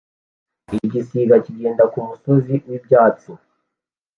Igisiga kigenda kumusozi wibyatsi